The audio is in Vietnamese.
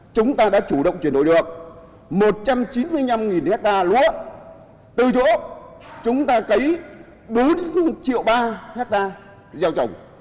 chúng ta đã chủ động chuyển đổi được một trăm chín mươi năm hectare lúa từ chỗ chúng ta cấy bốn triệu ba hectare gieo trồng